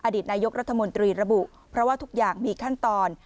อดีตนายกรัฐมนตรีระบุเพราะว่าทุกอย่างมีขั้นตอน